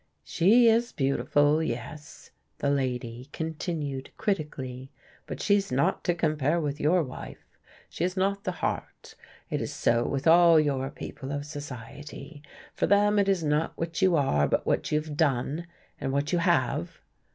"She is beautiful, yes," the lady continued critically, "but she is not to compare with your wife. She has not the heart, it is so with all your people of society. For them it is not what you are, but what you have done, and what you have."